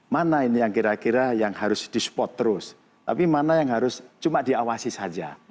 mana ini yang kira kira yang harus di support terus tapi mana yang harus cuma diawasi saja